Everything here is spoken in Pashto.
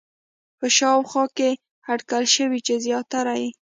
په شاوخوا کې اټکل شوی چې زیاتره یې